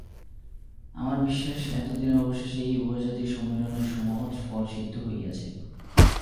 আমার বিশ্বাস, এতদিনে অবশেষে এই উভয় জাতির সম্মিলনের সুমহৎ ফল সিদ্ধ হইয়াছে।